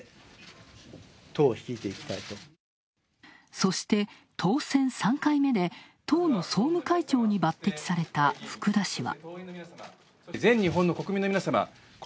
そして、当選３回目で党の総務会長に抜てきされた福田氏は。